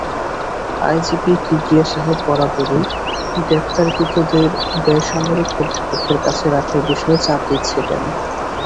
IGP Kibria সাহেব বারবারই গ্রেপ্তারকৃতদের বেসামরিক কর্তৃপক্ষের কাছে রাখার বিষয়ে চাপ দিচ্ছিলেন।